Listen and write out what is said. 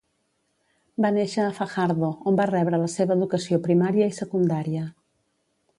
Va néixer a Fajardo on va rebre la seva educació primària i secundària.